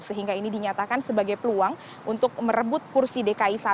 sehingga ini dinyatakan sebagai peluang untuk merebut kursi dki satu